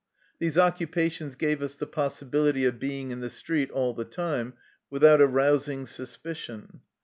These occupations gave us the possibility of being in the street all the time without arousing suspicion.